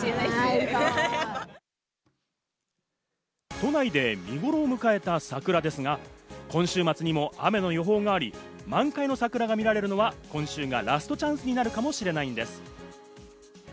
都内で見ごろを迎えた桜ですが、今週末にも雨の予報があり、満開の桜が見られるのは今週がラストチャンスになるかもしれないんです。